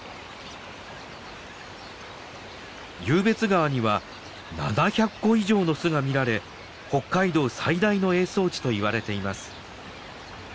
湧別川には７００個以上の巣が見られ北海道最大の営巣地といわれています。